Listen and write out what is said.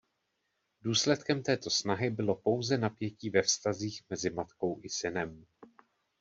Důsledkem této snahy bylo pouze napětí ve vztazích mezi matkou i synem.